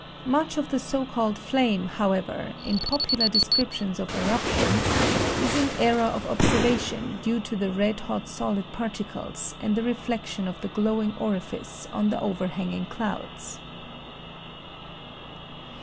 Much of the so called flame, however, in popular descriptions of eruptions is an error of observation due to the red hot solid particles and the reflection of the glowing orifice on the over hanging clouds.